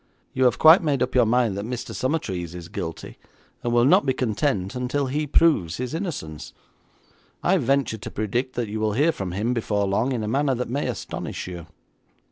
You have quite made up your mind that Mr. Summertrees is guilty, and will not be content until he proves his innocence. I venture to predict that you will hear from him before long in a manner that may astonish you.'